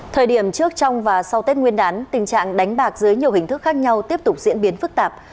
thời điểm trước trong và sau tết nguyên đán tình trạng đánh bạc dưới nhiều hình thức khác nhau tiếp tục diễn biến phức tạp